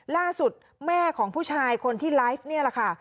ล่าสุดแม่ของผู้ชายคนที่ไลฟ์นี่แหละค่ะ